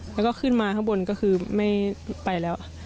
แล้วก็ขึ้นมาข้างบนก็คือไม่ไปแล้ว